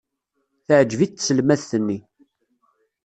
Teɛjeb-it tselmadt-nni.